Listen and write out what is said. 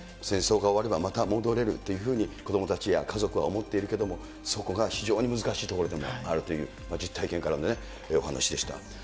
戦争が終われば、また戻れるというふうに子どもたちや家族は思っているけれども、そこが非常に難しいところでもあるという、実体験からのお話でした。